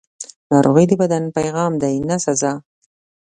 ناروغي د بدن پیغام دی، نه سزا.